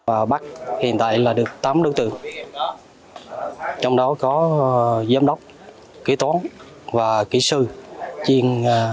ở bắc hiện tại là được tám đối tượng trong đó có giám đốc kỹ toán và kỹ sư chuyên